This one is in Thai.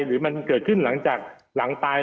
หรือมันเกิดขึ้นหลังจากหลังตาย